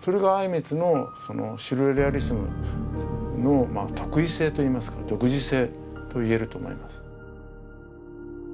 それが靉光のシュルレアリスムの特異性といいますか独自性といえると思います。